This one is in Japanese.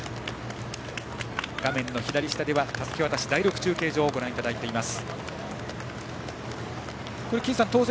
画面の左下ではたすき渡し、第６中継所をご覧いただいています。